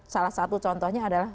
salah satu contohnya adalah